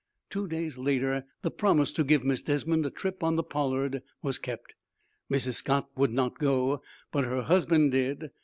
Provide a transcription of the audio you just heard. Two days later the promise to give Miss Desmond a trip on the "Pollard" was kept. Mrs. Scott would not go, but her husband did.